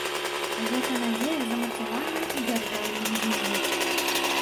Гэта надзея замацаваная ў дзяржаўным гімне.